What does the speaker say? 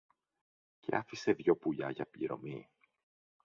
και άφησε δυο πουλιά για πληρωμή.